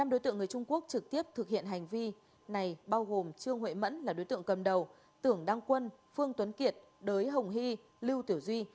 năm đối tượng người trung quốc trực tiếp thực hiện hành vi này bao gồm trương huệ mẫn là đối tượng cầm đầu tưởng đăng quân phương tuấn kiệt đới hồng hy lưu tiểu duy